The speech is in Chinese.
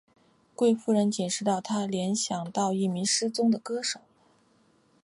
贵夫人解释道她联想到一名失踪的歌手。